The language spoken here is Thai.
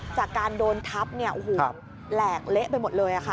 จากการโดนทับแหลกเละไปหมดเลยค่ะ